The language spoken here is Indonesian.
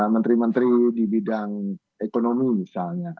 menteri menteri di bidang ekonomi misalnya